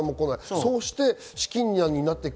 そうして資金難になっていく。